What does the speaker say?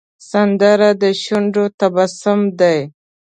سندره د شونډو تبسم دی